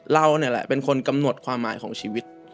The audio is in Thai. เรานี่แหละเป็นคนกำหนดความหมายของชีวิต